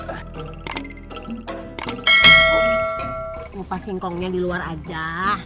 ngupas singkongnya di luar aja